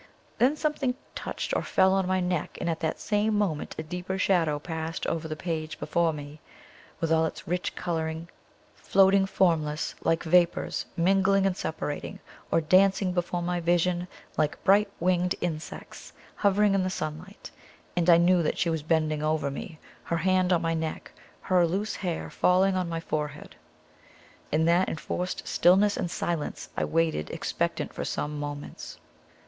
Then something touched or fell on my neck, and at the same moment a deeper shadow passed over the page before me, with all its rich coloring floating formless, like vapors, mingling and separating, or dancing before my vision, like bright winged insects hovering in the sunlight; and I knew that she was bending over me, her hand on my neck, her loose hair falling on my forehead. In that enforced stillness and silence I waited expectant for some moments.